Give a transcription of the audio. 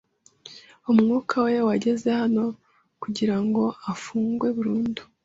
Umwuka we wageze hano kugira ngo afungwe burundu